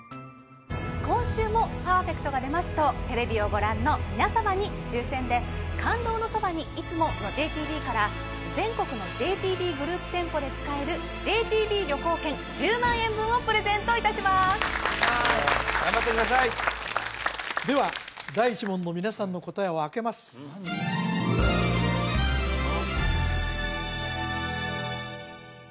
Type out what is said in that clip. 今週もパーフェクトが出ますとテレビをご覧の皆様に抽選で「感動のそばに、いつも。」のＪＴＢから全国のＪＴＢグループ店舗で使えるＪＴＢ旅行券１０万円分をプレゼントいたします頑張ってくださいでは第１問の皆さんの答えをあけますさあ